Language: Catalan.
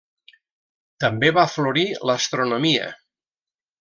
També va florir l'astronomia.